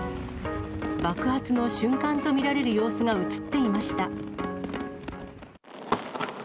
爆発の瞬間と見られる様子が写っていました。